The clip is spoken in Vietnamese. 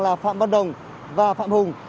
là phạm băn đồng và phạm hùng